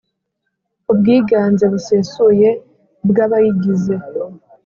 ubwiganze busesuye bw abayigize